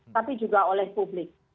tapi juga oleh publik